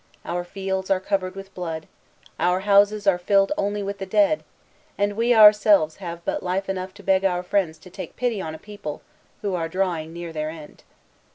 Our fields are covered with blood; our houses are filled only with the dead; and we ourselves have but life enough to beg our friends to take pity on a people who are drawing near their end."